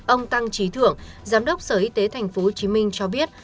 ông tăng trí thượng giám đốc sở y tế tp hcm cho biết